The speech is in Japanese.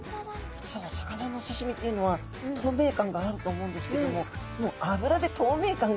普通お魚のお刺身っていうのは透明感があると思うんですけどももう脂で透明感が。